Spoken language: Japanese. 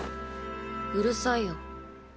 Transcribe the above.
うるさいよ。